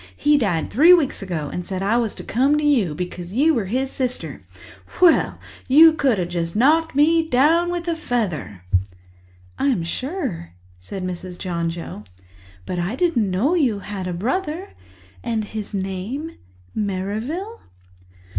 He died three weeks ago and he said I was to come to you, because you were his sister.' Well, you could just have knocked me down with a feather!" "I'm sure," said Mrs. John Joe. "But I didn't know you had a brother. And his name—Merrivale?"